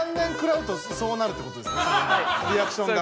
リアクションが。